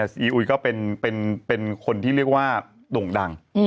ซีอีอุ๋ยก็เป็นคนที่เรียกว่าโด่งดัง